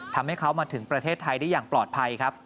ทำให้เขามาถึงประเทศไทยได้อย่างปลอดภัยครับ